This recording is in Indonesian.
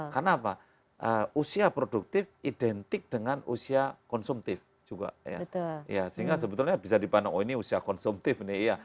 karena apa usia produktif identik dengan usia konsumtif juga ya sehingga sebetulnya bisa dipandang oh ini usia konsumtif nih iya